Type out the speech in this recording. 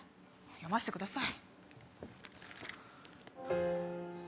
読ませてください。